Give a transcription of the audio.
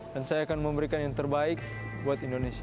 dan saya akan memberikan yang terbaik buat indonesia